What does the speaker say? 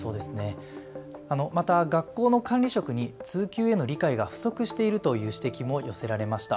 また学校の管理職に通級への理解が不足しているという指摘も寄せられました。